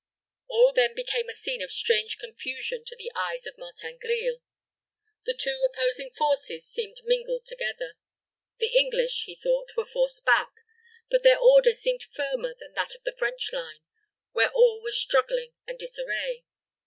All then became a scene of strange confusion to the eyes of Martin Grille. The two opposing forces seemed mingled together. The English, he thought, were forced back, but their order seemed firmer than that of the French line, where all was struggling and disarray.